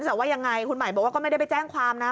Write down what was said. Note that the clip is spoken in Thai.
แต่ว่ายังไงคุณใหม่บอกว่าก็ไม่ได้ไปแจ้งความนะ